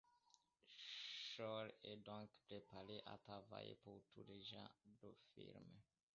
Shore est donc préparé à travailler pour tous les genres de film.